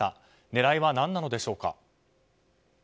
狙いは何なのでしょうか？